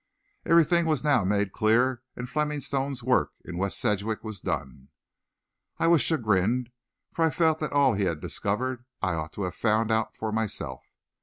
Everything was now made clear, and Fleming Stone's work in West Sedgwick was done. I was chagrined, for I felt that all he had discovered, I ought to have found out for myself.